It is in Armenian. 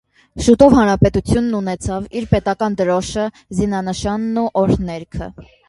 Շուտով հանրապետությունն ունեցավ իր պետական դրոշը, զինանշանն ու օրհներգը։